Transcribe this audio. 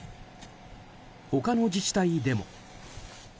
他の自治体でも。